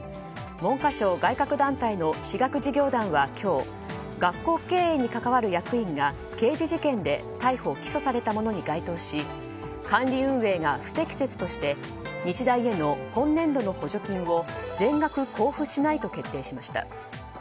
文科省外郭団体の私学事業団は今日、学校経営に関わる役員が刑事事件で逮捕・起訴されたものに該当し管理運営が不適切として日大への今年度の補助金を全額交付しないと決定しました。